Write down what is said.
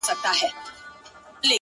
شکر دی گراني چي زما له خاندانه نه يې؛